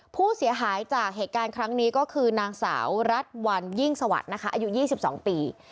ผู้เสียหายจากเหตุการณ์ครั้งนี้ก็คือนางสาวรัฐวันยิ่งสวัสดิ์นะคะอายุ๒๒ปี